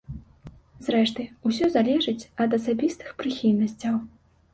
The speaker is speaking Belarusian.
Зрэшты, усё залежыць ад асабістых прыхільнасцяў.